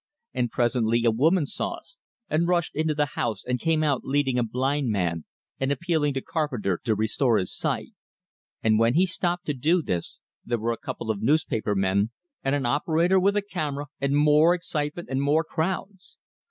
And presently a woman saw us, and rushed into the house, and came out leading a blind man, and appealing to Carpenter to restore his sight; and when he stopped to do this, there were a couple of newspaper men, and an operator with a camera, and more excitement and more crowds!